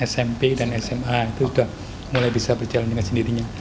smp dan sma itu sudah mulai bisa berjalan dengan sendirinya